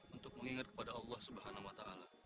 untuk mengingat kepada allah swt